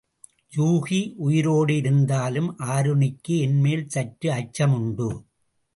யூகி உயிரோடு இருந்தாலும் ஆருணிக்கு என்மேல் சற்று அச்சமுண்டு.